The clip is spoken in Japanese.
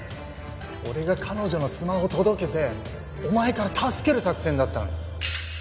俺が彼女のスマホ届けてお前から助ける作戦だったのに。